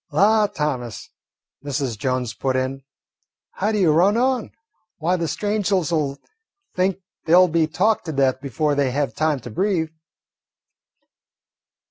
"La, Thomas," Mrs. Jones put in, "how you do run on! Why, the strangers 'll think they 'll be talked to death before they have time to breathe."